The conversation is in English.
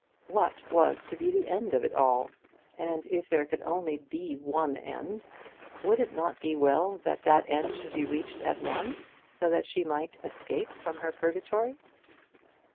What was to be the end of it all? And if there could only be one end, would it not be well that that end should be reached at once, so that she might escape from her purgatory?